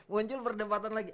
muncul perdebatan lagi